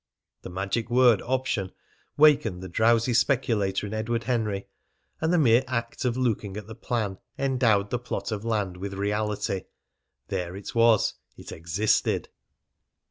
The magic word "option" wakened the drowsy speculator in Edward Henry. And the mere act of looking at the plan endowed the plot of land with reality. There it was. It existed.